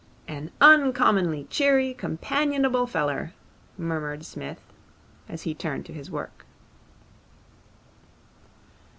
'An uncommonly cheery, companionable feller,' murmured Psmith, as he turned to his work.